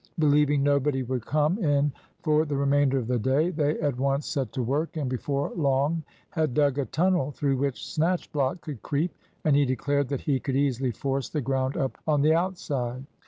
Believing nobody would come in for the remainder of the day, they at once set to work, and before long had dug a tunnel through which Snatchblock could creep, and he declared that he could easily force the ground up on the outside.